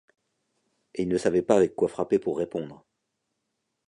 Et ils ne savaient avec quoi frapper pour répondre.